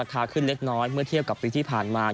แพงขึ้น